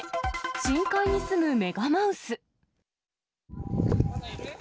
深海にすむメガマウス。